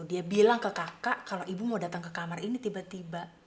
dia bilang ke kakak kalau ibu mau datang ke kamar ini tiba tiba